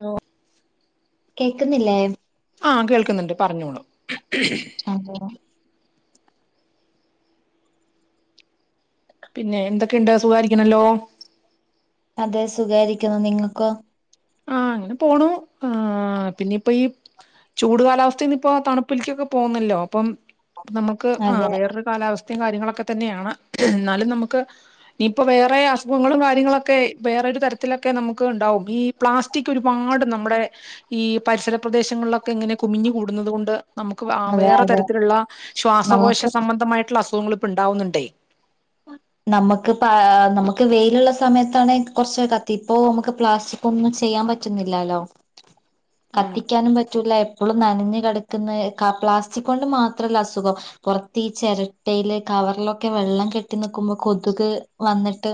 hello കേൾക്കുന്നില്ലേ ആഹ കേൾക്കുന്നുണ്ട് പറഞ്ഞോളൂ അതെ പിന്നെ എന്തൊക്കെയുണ്ട് സുഖാരിക്കണല്ലോ അതെ സുഖായിരിക്കുന്നു നിങ്ങൾക്ക് ആ അങ്ങനെ പോണു ആ പിന്നെ ഇപ്പോ ഈ ചൂട് കാലാവസ്ഥയിന്ന് ഇപ്പോ തണുപ്പിലേക്കൊക്കെ പോന്നല്ലോ അപ്പം നമുക്ക് ആ അതെ വേറൊരു കാലാവസ്ഥ അസുഖം കാര്യങ്ങളൊക്കെ തന്നെയാണ് എന്നാലും നമുക്ക് ഇനിയിപ്പോ വേറെ അസുഖങ്ങളും കാര്യങ്ങളൊക്കെ വേറെ ഒരു തരത്തിലൊക്കെ നമുക്ക് ഉണ്ടാവും ഈ പ്ലാസ്റ്റിക് ഒരുപാട് നമ്മുടെ ഈ പരിസര പ്രദേശങ്ങളിലൊക്കെ ഇങ്ങനെ കുമിഞ്ഞു കൂടുന്നത് കൊണ്ട് നമുക്ക് അതെ വേറെ അതെ തരത്തിലുള്ള ശ്വാസകോശ നമുക്ക് സംബന്ധമായിട്ടുള്ള അസുഖ അസുഖങ്ങ ഇപ്പ ഇണ്ടാവുന്നുണ്ടേ നമുക്ക് പ നമുക്ക് വെയിലുള്ള സമയത്താണ കുറച്ച കത്തി ഇപ്പൊ നമുക്ക് പ്ലാസ്റ്റിക് ഒന്നും ചെയ്യാൻ പറ്റുന്നില്ലാലോ ആഹ് കത്തിക്കാനും പറ്റൂല ഇപ്പോളും നനഞ്ഞ കിടക്കുന്ന പ്ലാസ്റ്റിക് കൊണ്ട് മാത്രല്ല അസുഖം പുറത്ത് ഈ ചിരട്ടയില് കവറിലൊക്കെ വെള്ളം കെട്ടിനിൽക്കുന്ന ക്കുമ്പോ കൊതുക് വന്നിട്ട്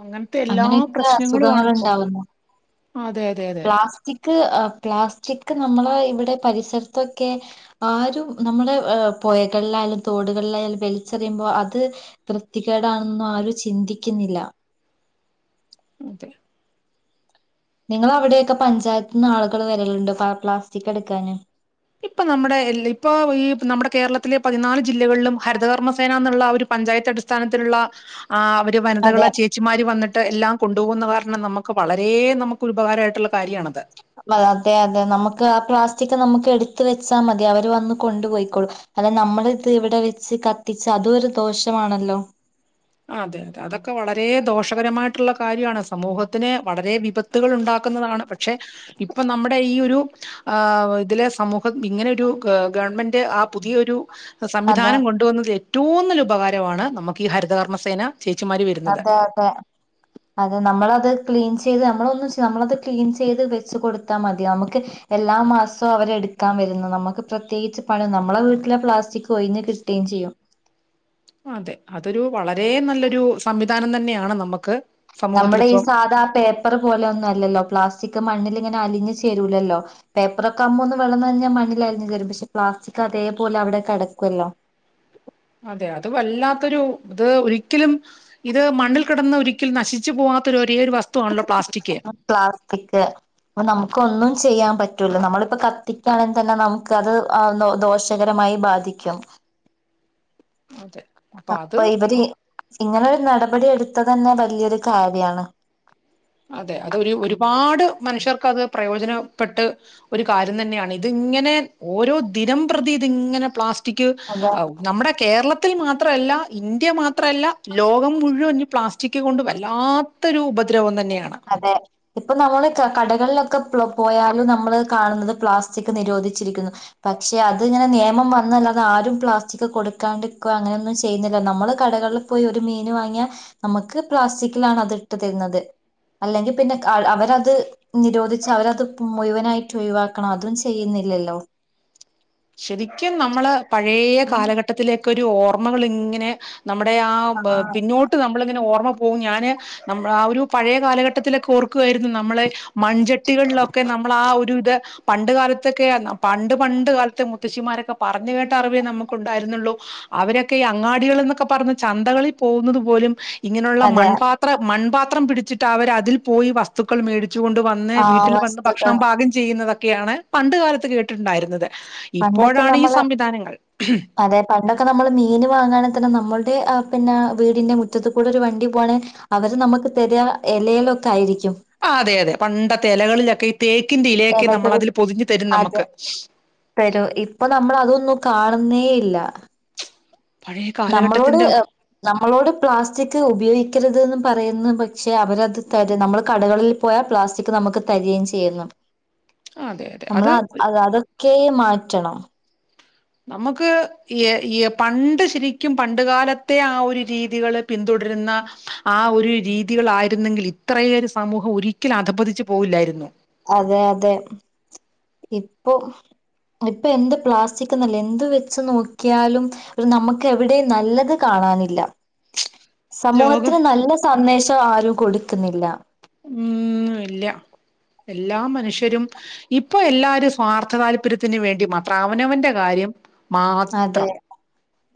അങ്ങനത്തെ എല്ലാ അങ്ങനെയൊക്കെ അസുഖങ്ങൾ പ്രശ്നങ്ങളുമാണ് ഇപ്പൊ ഉണ്ടാവുന്നു അതെ അതെ അതെ പ്ലാസ്റ്റിക് പ്ലാസ്റ്റിക് നമ്മളെ ഇവിടെ പരിസരത്തൊക്കെ ആരും നമ്മുടെ പുഴകളിലായാലും തോടുകളിലായാലും വല രിച്ചറിയുമ്പോ അത് വൃത്തി കേടാണും ആരും ചിന്തിക്കുന്നില്ല അതെ നിങ്ങളവിടെയൊക്കെ പഞ്ചായത്ത് നിന്ന് ആളുകൾ വരലുണ്ടൊ പ പ്ലാസ്റ്റിക് എടുക്കാന് ഇപ്പൊ നമ്മുടെ ഇപ്പൊ ഈ നമ്മുടെ കേരളത്തിലെ പതിനാല് ജില്ലകളിലും ഹരിതകർമ്മസേന എന്നുള്ള ഒരു പഞ്ചായത്ത് അടിസ്ഥാനത്തിലുള്ള ആ അവര് അതെ വനിതകളെ ചേച്ചിമാര് വന്നിട്ട് എല്ലാം കൊണ്ടുപോകുന്നവർ മ രണം നമ്മക്ക് വളരെ നമുക്ക് ഉപകാരമായിട്ടുള്ള കാര്യമാണത് അ അതെ അതെ നമുക്ക് ആ പ്ലാസ് റ്റിക് നമുക്ക് എടുത്ത വെച്ചാ മതി അവര് വന്ന് കൊണ്ടുപോയിക്കോളും അതെ നമ്മള ഇത് ഇവിടെ വെച്ച് കത്തിച്ച് അതും ഒരു ദോഷമാണല്ലോ ആ അതെ അതെ അതൊക്കെ വളരെ ദോഷകരമായിട്ടുള്ള കാര്യമാണ് സമൂഹത്തിന് വളരെ വിപത്തുകൾ ഉണ്ടാക്കുന്നതാണ് പക്ഷെ ഇപ്പൊ നമ്മുടെ ഈ ഒരു ആ ഇതിലെ സമൂഹം ഇങ്ങനെ ഒരു ഗവൺമെന്റ് ആ പുതിയൊരു അതെ സംവിധാനം കൊണ്ടുവന്നതെ റ്റുവം നല്ല ഉപകാരമാണ് നമുക്ക് ഈ ഹരിതകർമ കർമസേന അതെ അതെ അതെ നമ്മളത് ക്ലീൻ ചെയ്ത് നമ്മള് ഒന്ന്‌ നമ്മളൊന്ന്‌ ക്ലീൻ ചെയ്ത് വെച്ച് കൊടുത്താൽ മതി നമുക്ക് എല്ലാ മാസവും അവരെടുക്കാൻ വരുന്ന്‌ നമുക്ക് പ്രത്യേകിച്ച് പണി നമ്മളെ വീട്ടിലെ പ്ലാസ്റ്റിക് പോയീന്ന് കിട്ടുകയും ചെയ്യും അതെ അതൊരു വളരെ നല്ലൊരു സംവിധാനം തന്നെയാണ് നമക്ക് നമ്മുടെ ഈ സാദാ പേപ്പർ പോലെ ഒന്നും അല്ലല്ലോ പ്ലാസ്റ്റിക് മണ്ണില് ഇങ്ങനെ അലിഞ്ഞു ചേരൂല്ലല്ലോ പേപ്പറൊക്കെ ആവുമ്പൊ ഒന്ന് വെള്ളം നനഞ്ഞാൽ മണ്ണില് അലിഞ്ഞ് ചേരും പക്ഷെ പ്ലാസ്റ്റിക് അതേപോലെ അവിടെ കെടക്കുമല്ലോ അതെ അത് വല്ലാത്തൊരു ഇത് ഒരിക്കലും ഇത് മണ്ണിൽ കിടന്ന് ഒരിക്കലും നശിച് പ്ലാസ്റ്റിക് അപ്പൊ നമുക്ക് ഒന്നും ചെയ്യാൻ പറ്റൂല നമ്മളിപ്പം കത്തിക്കയാണെങ്കിൽ തന്നെ നമുക്കത് ആ ദോഷകരമായി ബാധിക്കും അതെ അത് അപ്പൊ ഇവര് ഇങ്ങനൊരു നടപടി എടുത് ഇത് തന്നെ വലിയൊരു കാര്യം ദിയാണ് അതെ അത് ഒരു ഒരുപാട് മനുഷ്യർക്ക് അത് പ്രയോജനപ്പെട്ട് ഒരു കാര്യം തന്നെയാണ് ഇതിങ്ങനെ ഓരോ ദിനംപ്രതി ഇതിങ്ങനെ പ്ലാസ് റ്റിക് അതെ ആ നമ്മുടെ കേരളത്തിൽ മാത് ത്രല്ല ഇന്ത്യ മാത്രല്ല ലോകം മുഴുവന് ഉം പ്ലാസ്റ്റിക് കൊണ്ട് വല്ലാത്തൊരു ഉപദ്രവം തന്ന അതെ ഇപ്പൊ നമ്മള് ക കടകളിലൊക്കെ പ്ലോ പോയാലും നമ്മള് കാണുന്നത് പ്ലാസ്റ്റിക് നിരോധിച്ചിരിക്കുന്നു പക്ഷെ അത് ഇങ്ങനെ നിയമം വന്നല്ലാതെ ആരും പ്ലാസ്റ്റിക് കൊടുക്കാണ്ടിരിക്കുക അങ്ങനെയൊന്നും ചെയ്യുന്നില്ല നമ്മള് കടകളിൽ പോയി ഒരു മീന് വാങ്ങിയാ നമ്മക്ക് പ്ലാസ്റ്റിക്കിലാണ് അത് ഇട്ട് തരുന്നത് അല്ലെങ്കി പിന്നെ അവരത് നിരോദിച്ച് അവരത് മുഴുവനായിട്ട് ഒഴിവാക്കണം അതും ചെയ്യുന്നില്ലല്ലോ ശെരിക്കും നമ്മള് പഴയ ഉം കാലഘട്ടത്തിലേ ക്ക് ഒരു ഓർമ്മകളിങ്ങനെ നമ്മുടെ ആ പിന്നോട്ട് നമ്മളിങ്ങനെ ഓർമ്മ പോ പ്പൊ ഞാന് നമ്മ ആ ഒരു പഴെ കാലഘട്ടത്തിലൊക്കെ ഓർക്ക ക്കുവായിരുന്നു നമ്മള് മൺചട്ടികളിലൊക്കെ നമ്മളാ ഒരു ഇത് പണ്ട് കാലത്തൊക്കെയ പണ്ട് പണ്ട് കാലത്ത് ത്തെ മുത്തശ്ശിമാരൊക്കെ പറഞ്ഞു കേട്ട അറിവേ നമുക്കുണ്ടായിരുന്നുള്ളൂ അവരൊക്കെ ഈ അങ്ങാടികൾ എന്നൊക്കെ പറഞ്ഞ ചന്തകളിൽ പോകുന്നത് പോലും ഇങ്ങനെയുള്ള അതെ മൺപാത്ര മൺപാ ത്രം പിടിച്ചിട്ട് അവരതിൽ പോയി വസ്തുക്കൾ മേടി ച്ചു കൊണ്ട് വന്ന് ആ വീട്ടിൽ വന്ന് വസ്തുക്കൾ ഭക്ഷണം പാകം ചെയ്യുന്ന ഒക്കെയാണ് പണ്ട് കാലത്ത് കേട്ടിട്ടുണ്ടായിരുന്നത് പണ്ടൊക്കെ ഇപ്പോഴാണ് ഈ നമ്മള് സംവിധാനങ്ങൾ അതെ പണ്ടൊക്കെ നമ്മള് മീൻ വാങ്ങന്ന് തന്നെ നമ്മൾ പിന്നെ വീടിന്റെ മുറ്റത്ത് കൂടെ ഒരു വണ്ടി പോണ് അവര് നമുക്ക് തെര് കാ എലെലൊക്കെ ആയിരി ആ അതെ അതെ പണ്ടത്തെ എലകളിലൊക്കെ ഈ തേക്കിന്റെ ഇലയൊക്കെ നമ്മൾ എലകളിൽ അതിൽ പൊതിഞ്ഞു തരും അതെ നമുക്ക് തരും ഇപ്പൊ നമ്മള് അതൊന്നും കാണുന്നേ ഇല്ല പഴയ നമ്മളോട് കാലഘട്ടത്തിന്റെ നമ്മളോട് പ്ലാസ്റ്റിക് ഉപയോഗിക്കരുത് ന്ന് പറയുന്നു പക്ഷെ അവരത് തര് നമ്മള് കടകളിൽ പോയാ പ്ലാസ്റ്റിക് നമുക്ക് തരികേം ചെയ്യുന്നു അതെ അതെ നമ്മള അത് അ അതൊക്കെയും മാറ്റ റ്റണം നമ്മുക്ക് ഈ ഈ പണ്ട് ശരിക്കും പണ്ട് കാലത്തെ ആ ഒരു രീതികള് പിന്തുടരുന്ന ആ ഒരു രീതികളായിരുന്നെങ്കിൽ ഇത്രയേറെ സമൂഹം ഒരിക്കലും അധപതിച്ചു പോവില്ലായിരുന്നു അതെ അതെ ഇപ്പൊ ഇപ്പൊ എന്ത് പ്ലാസ്റ്റിക് എന്നല്ല എന്ത് വെച്ച് നോക്കിയാലും ഒരു നമുക്ക് എവിടെയും നല്ലത് കാണാനില്ല ലോകം സമൂഹത്തിന് നല്ല സന്ദേ ശം ആരും കൊടുക്കുന്നില്ല ഉം ഇല്ല എല്ലാ മനുഷ്യരും ഇപ്പൊ എല്ലാരും സ്വാർത്ഥ താല്പര്യത്തിന് വേണ്ടി മാത്ര അവനവന്റെ കാര്യം അതെ മാത്രം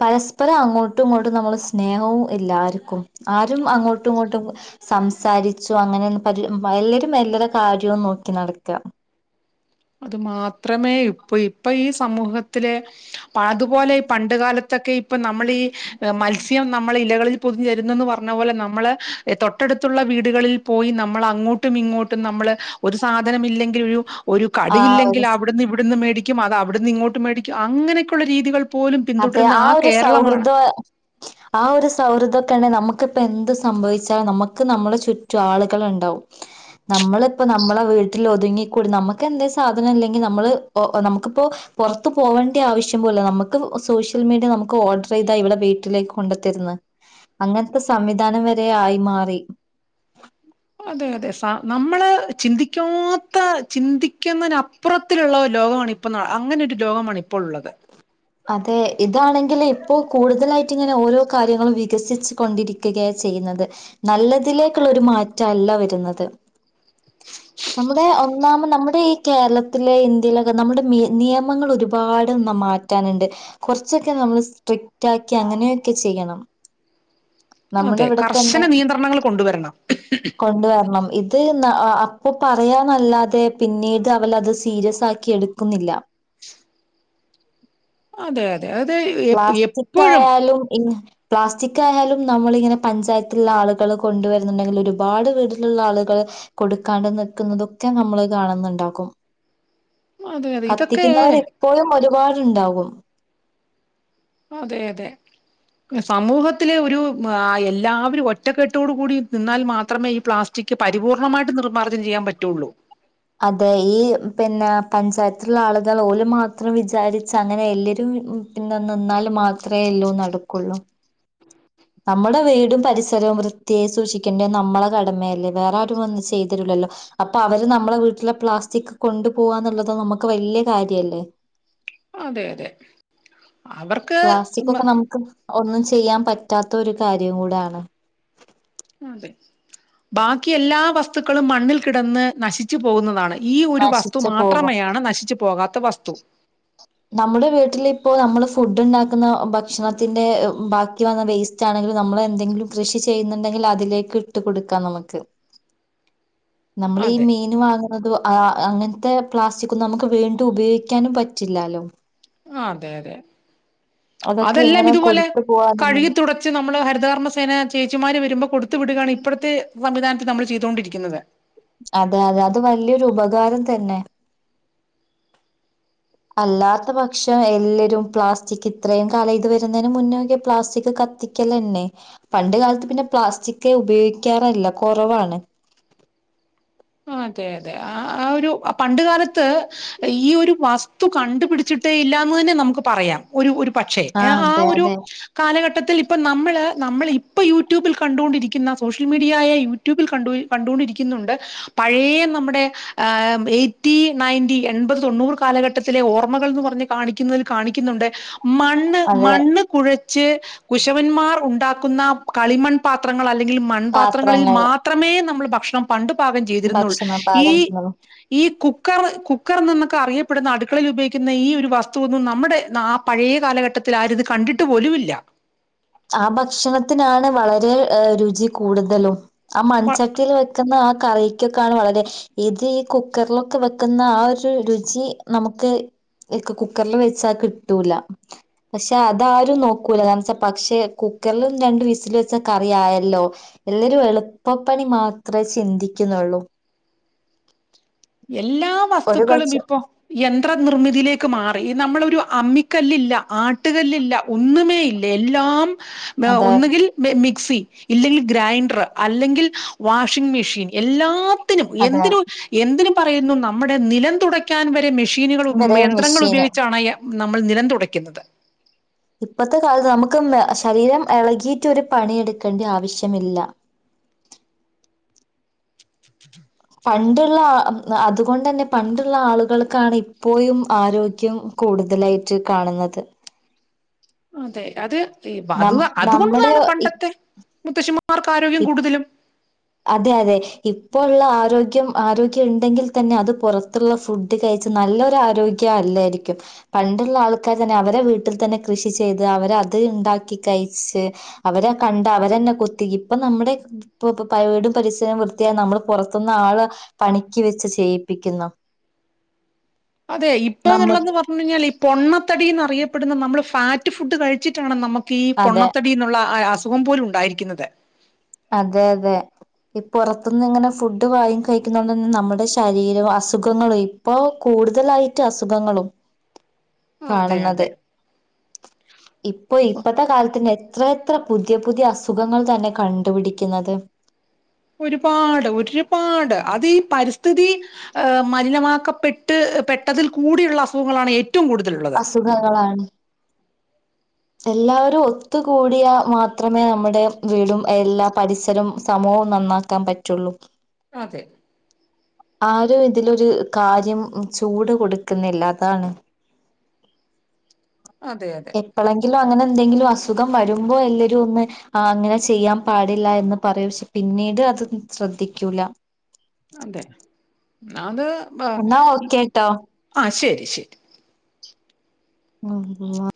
പരസ്പരം അങ്ങോട്ടും ഇങ്ങോട്ടും നമ്മള സ്നേഹവും എല്ലാരിക്കും ആരും അങ്ങോട്ടും ഇങ്ങോട്ടും സംസാരിച്ചു അങ്ങനെ എല്ലരും എല്ലരേം കാര്യവും നോക്കി നടക്കാ അത് മാത്രമേ ഇപ്പൊ ഇപ്പൊ ഈ സമൂഹത്തിലെ പാതുപോലെ ഈ പണ്ട് കാലത്ത് ത്തൊക്കെ ഈ പ്പ നമ്മളി ഏഹ് മത്സ്യം നമ്മളിലകളിൽ പൊതി തുന്നന്ന് പറഞ്ഞ പോലെ നമ്മള് തൊട്ടടുത്തുള്ള വീടുകളിൽ പോയി നമ്മൾ അങ്ങോട്ടും ഇങ്ങോട്ടും നമ്മള് ഒരു സാധനം ഇല്ലെങ്കിൽ ഒരു ആ കടിയില്ലെങ്കിൽ ഒരു അവിടുന്നുംഇവ്ടുന്നു മേടിക്ക കും അവിടുന്ന് ഇങ്ങോട്ട് മേടിക്കും അങ്ങനെക്കെള്ള രീതികൾ പോലും അതെ പിന്തുടരുന്ന ആ ഒരു കേരളമാണ് സൗഹൃദ [unintelligible] ആ ഒരു സൗഹൃദ ത്തണ് നമുക്കിപ്പെന്ത് സംഭവിച്ചാ നമുക്ക് നമ്മളെ ചുറ്റു ആളുകൾ ഉണ്ടാവും നമ്മള്പ്പോ നമ്മളെ വീട്ടിൽ ഒതുങ്ങിക്കൂടി നമക്ക് എന്തെ സാധനം ഇല്ലെങ്കി നമ്മൾ നമുക്കിപ്പോ പൊറ്ത്തു പോവേണ്ട്യ ആവശ്യം പോലു ഇല്ല നമ്മക് ക്ക്സോഷ്യൽ മീഡിയ നമുക്ക് ഓർഡർ ചെയ്താ ഇവിടെ വീട്ടിലേക്ക് കൊണ്ടത്തരിന്ന് അങ്ങനത്തെ സംവിധാനം വരെ ആയി മാറി [unintelligible] ദേതദേസ നമ്മള് ചിന്തിക്കാത്ത ചിന്തിക്കുന്നന്പ്പുറത്തിലുള്ള ലോകമാണ് ഇപ്പോ നട അങ്ങനെരു രോകമാണ് ഇപ്പോൾ ഉള്ളത് ഗിലിം [unintelligible] ഇപ്പോ കൂടുതലായിട്ടിങ്ങനെ ഓരോ കാര്യങ്ങളും വികസിച്ച് കൊണ്ടിരിക്കുകയാ ചെയ്യുന്നത് നല്ലതിലേക്കുള്ള ഒരു മാറ്റല്ല വരുന്നത് ന്നാമ് നമ്മുടെ ഈ കേരളത്തിലെ ഇന്ത്യയിലൊക്കെ നമ്മുടെ നിയമങ്ങൾ ഒരുപാട് ന മാറ്റാനുണ്ട് കൊറച്ചൊക്കെ നമ്മൾ സ്ട്രിക്റ്റ് ആക്കി അങ്ങനെയൊക്കെ ചെയ്യണം നമ്മുടെ അതെ ഇവിടെ തന്നെ കർശന നിയന്ത്രണങ്ങൾ കൊണ്ടുവരണം അത് ന്നാ അ ആ അപ്പൊ പറയാനല്ലാതെ പിന്നീട് അവരത് സീരിയസ് ആക്കി എടുക്കുന്നില്ല അതെ അതെ അത് എപ് എപ്പഴും പ്ലാസ്റ്റിക്കായാലും ഇ പ്ലാസ്റ്റിക് ആയാലും നമ്മൾ ഇങ്ങനെ പഞ്ചായത്തിലുള്ള ആളുകള് കൊണ്ടുവരുന്നുണ്ടെങ്കിൽ ഒരുപാട് വീടിലുള്ള ആളുകള് കൊടുക്കാണ്ട് നിക്കുന്നതൊക്കെ നമ്മള് കാണുന്നുണ്ടാക്കും അതെ അതെ ഇതൊക്കെ കത്തിക്കുന്നവരെപ്പോഴും ഒരുപാട് ണ്ടാവും അതെ അതെ സമൂഹത്തിലെ ഒരു എല്ലാവരും ഒറ്റക്കെട്ടോട് കൂടി നിന്നാൽ മാത്രമേ ഈ പ്ലാസ്റ്റിക് പരിപൂർണ്ണമായിട്ട് നിർമ്മാർജ്ജം ചെയ്യാ പറ്റുള്ളൂ അതെ ഈ പിന്നെ പഞ്ചായത്തിലുള്ള ആളുകൾ ഓല്മാത്രം വിചാരിച്ച അങ്ങനെ എല്ലരും പിന്നെ നിന്നാല് മാത്രമേ എല്ലോ നടകൊള്ളൂ നമ്മുടെ വീടും പരിസരവും വൃത്തിയെ സൂക്ഷിക്കേണ്ടേ നമ്മളെ കടമയല്ലേ വേറെ ആരും വന്ന് ചെയ്തരൂല്ലല്ലോ അപ്പൊ അവര് നമ് നമ്മളെ വീട്ടിലെ പ്ലാസ്റ്റിക് കൊണ്ടു പോവാന്നുള്ളത് നമുക്ക് വല്ല്യ കാര്യല്ലേ അതെ അതെ അവർക്ക് പ്ലാസ്റ്റിക് ഒക്കെ മ- നമുക്ക് ഒന്നും ചെയ്യാൻ പറ്റാത്ത ഒരു കാര്യം കൂടാണ് അതെ ബാക്കി എല്ലാ വസ്തുക്കളും മണ്ണിൽ കിടന്ന് നശിച്ചു പോകുന്നതാണ് ഈ ഒരു വസ്തു നശിച്ചു പോകും മാത്രമെയാണ് നശിച്ചു പോകാ ത്ത വസ്തു നമ്മുടെ വീട്ടിലിപ്പോ നമ്മള് ഫുഡ് ഉണ്ടാക്കുന്ന ഭക്ഷണത്തിന്റെ ബാക്കി വന്ന വേസ്റ്റ് ആണെങ്കിലും നമ്മൾ എന്തെങ്കിലും കൃഷി ചെയ്യുന്നുണ്ടെങ്കിൽ അതിലേക്ക് ഇട്ടു കൊടുക്കാം നമുക്ക് നമ്മൾ ഈ അതെ മീൻ വാങ്ങുന്നതു വ ആഹ് അങ്ങൻത്തെ പ്ലാസ്റ്റിക്കുംനമുക്ക് വീണ്ടും ഉപയോഗിക്കാനും പറ്റി ല്ലാലോ ആഹ്അതെ അതെ അതൊക്കെ അതെല്ലാം ഇങ്ങനെ ഇതുപോലെ കൊടുത്തു കഴുകി പോവാന്നുള്ളത് തുടച്ച് നമ്മള് ഹരിതകർമ്മ സേന ചേച്ചിമാര് വരുമ്പോ കൊടുത്തു വിടുകയാണ് ഇപ്പോഴ ത്ത് വം [unintelligible] വിധാനത്ത് നമ്മൾ ചെയ്തൊണ്ടിരിക്കുന്നത് അതെ അതെ അത് വല്ല്യരു ഉപകാരം തന്നെ അല്ലാത്ത പക്ഷം എല്ലരും പ്ലാസ്റ്റിക് ഇത്രയും കാല ഇത് വരുന്നയ്ന് മുന്നൊക്കെ പ്ലാസ്റ്റിക് കത്തിക്കല ന്നെ പണ്ട് കാലത്ത് പിന്നെ പ്ലാസ്റ്റിക് ഉപയോഗിക്കാറല്ല കൊറവാണ് അതെ അതെ ആഹ് ആ ഒരു പണ്ട കാലത്ത് ത്ത് ഈ ഒരു വാസ് സ്തു കണ്ടുപടിച്ചിട്ടേ ഇല്ലാന്ന് തന്നെ നമുക്ക് പറയാ ഒരു രു പക്ഷേ ആ അതെ ഒരു അതെ കാലഘട്ടത്തി ത്തിൽ ഇപ്പ നമ്മള് നമ്മളെ ഇപ്പൊ യൂട്യൂബിൽ കണ്ടൊണ്ടിരിക്കുന്ന സോഷ്യൽ മീഡിയ ആയ യൂട്യൂബിൽ കണ്ട കണ്ടൊണ്ടിരിക്കുന്നുണ്ട് പഴയ നമ്മുടെ എയ്റ്റി നയൻറ്റിഎൺപത് തൊണ്ണൂറ് കാലഘട്ടത്തിലെ ഓർമ്മകൾ എന്ന് പറഞ്ഞ് കാണിക്കുന്നതിൽ കാണിക്കുന്നുണ്ട് മണ്ണ് അതെ മണ്ണ് കുഴ ച്ച് കുശവന്മാർ ഉണ്ടാക്കുന്ന കളിമൺ പാത്രങ്ങ ളിൽ മൺപാത്രങ്ങളിൽ പാത്രങ്ങൾ മാത്രമേ നമ്മൾ ഭ ക്ഷണം പണ്ട് പാ ചെയ്തിരുന്നുൾ ഭക്ഷണം ഈ പാകം ചെയ്യുന്നത് ഈ കു കുക്കർ കുക്കർ എന്നൊക്കെ അറിയപ്പെടുന്ന അടുക്കളൽ ഉപയോഗിക്കുന്ന ഈ ഒരു വസ്തുവൊന്നും നമ്മുടെ ആ പഴയ കാലഘട്ടത്തിൽ ആരി ഇത് കണ്ടിട്ട് പോലുമില്ല ആ ഭക്ഷണത്തിനാണ് വളരെ രുചി കൂടുതലും ആ മൺചട്ടിയിൽ വെക്കുന്ന കക്കാണ് വളരെ ത് ഈ കുക്കറിലൊക്കെ വെക്കുന്ന ആ ഒരു രുചി നമുക്ക് കുക്കറിൽ വെച്ചാൽ കിട്ടൂല പക്ഷെ അതാരും നോക്കൂല കാര പക്ഷെ കുക്കറിലും രണ്ട വിസൽ വെച്ച കറിിയായല്ലോ എല്ലരും എളുപ്പപ്പണി മാത്രമേ ചിന്തിക്കുന്നുള്ളൂ എല്ലാ ഒരു വസ്തുക്കളും പക്ഷെ ഇപ്പോൊ യന്ത്ര നിർമിതിയിലേക്ക് മാറി നമ്മളരു അമ്മിക്കല്ലില്ല ആട്ടുകല്ലില്ല ഒന്നുമേ ഇല്ല എല്ലാം അതെ ഒന്നുകിൽ മസി ഇല്ലെങ്കിൽ ഗ്രൈൻഡർ അല്ലെങ്കിൽ വാഷിംഗ മെഷീൻ എല്ലാ എന്തിന അതെ എന്തിനും പറയുന്നു നമ്മുടെ നിലം തുയ്ക്കാൻ വരെ മെഷീ മഷീനുകൾ വരെ യന്ത്രങ്ങൾ മെഷീന് ഉപയോഗിച്ചാണ് നമ്മൾ നിലം തുടയ്ക്കുന്നത് ഇപ്പത്തെ കാലത്ത് നമുക്ക് ശരീരം ഇളകിയിട്ട ഒരു പണിയെടുക്കേണ്ടി ആവശ്യമില്ല പണ്ടുള്ള അതുകൊണ്ട തന്നെ പണ്ടുള്ള ആളുകൾക്കാണ് ഇപ്പോഴും ആരോഗ്യം കൂടുതലായിട്ട് കാണുന്നത് അതെ അത് ഈ അത് നം നമ്മുടെ അതുകൊണ്ടതാണ് ഇ പണ്ടത്തെ മുത്തശ്ശിമാർക്ക് ആരോഗ്യം കൂടുതലും അതെ അതെ ഇ ഇപ്പോ ഉള്ള ആരോഗ്യം ആരോഗ്യം ഉണ്ടെങ്കിൽ തന്നെ അത് പുറത്തുള്ള ഫുഡ് കഴച്ച് നല്ലൊരു ആരോഗ്യ അല്ലായിരിക്കും പണ്ടുള്ള ആൾക്കാർ തന്നെ അവരെ വീട്ടിൽ തന്നെ കൃഷി ചെയ്ത് അവരെ അത് ഉണ്ടാക്കി കഴിച്ച് അവരെ കണ്ട് അവരന്നെ കൊത്തി അപ്പൊ നമ്മുടെ ഇൊ വീടും പരിസരവും വൃത്തിയായി നമ്മള് പുറത്തുന്ന് ആള് പണിക്ക് വെച്ച് ചെയ്യിപ്പിക്കുന്നു അതെ ഇപ്പ എന്നുള്ളന്ന് നമ്മക്ക് പറഞ്ഞു കഴിഞ്ഞാൽ ഈ പൊണ്ണത്തടിന്ന് അറിയപ്പെടുന്ന നമ്മള് പാറ്റ് ഫുഡ് കഴിച്ചിട്ടാണ് നമുക്ക് ഈ അതെ പൊണ്ണത്തടി എന്നുള്ള സുഖം പോലും ഉണ്ടായിരിക്കുന്നത് അതെ അതെ ഇപ്പ പുറത്തുന്ന് ഇങ്ങനെ ഫുഡ് വായിും കഴിക്കുന്നണ്ട് തന്നെ നമ്മുടെ ശരീരം അസുഖങ്ങളും ഇപ്പൊ കൂടുതലായിട്ട് അസുഖങ്ങളും അതെ കാണുന്നത് അതെ ഇപ്പൊ ഇപ്പത്തെ കാലത്തിന്റെ എത്ര എത്ര പുതിയ പുതിയ അസുഖങ്ങൾ തന്നെ കണ്ട്ു ത്തു പടിക്കുന്നത് ഒരുപാട് ഒരുപാട് അത് പരിസ്ഥിതി മലിനമാക്കപ്പെട്ട് പെട്ടതിൽ കൂടിയുള്ള അസുഖങ്ങളാണ് ഏ അസുഖങ്ങളാണ് എല്ലാവരും ഒത്തുകൂടിയാ മാത്രമേ നമ്മുടെ വീടും എല്ലാ പരിസരവും സമൂവും നന്നാക്കാൻ പറ്റുള്ളൂ അതെ ആരും ഇതിലൊരു കാര്യം ചൂട് കൊടുക്കുന്നില്ല അതാണ് അതെ അതെ എങ്കിലും അങ്ങനെ എന്തെങ്കിലും അസുഖം വരുമ്പോ എല്ലരും ഒന്ന് ആ അങ്ങനെ ചെയ്യാൻ പാടില്ല എന്ന് പറൂ പക്ഷെ പിന്നീട് അത് ശ്രദ്ധിക്കൂല അതെ ന്നാത് ബ എന്നാ ഓക്കേട്ടോ ആ ശരി ശരി [unintelligible]